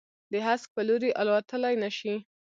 د هسک په لوري، الوتللای نه شي